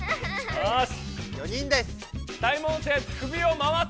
よし！